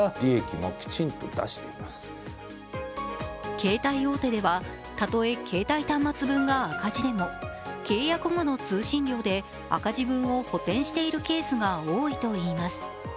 携帯大手では、たとえ携帯端末分が赤字でも契約後の通信料で赤字分を補填しているケースが多いといいます。